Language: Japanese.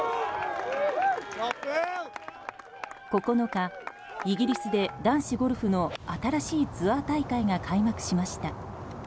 ９日、イギリスで男子ゴルフの新しいツアー大会が開幕しました。